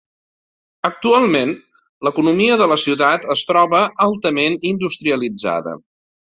Actualment, l'economia de la ciutat es troba altament industrialitzada.